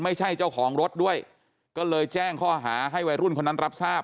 เจ้าของรถด้วยก็เลยแจ้งข้อหาให้วัยรุ่นคนนั้นรับทราบ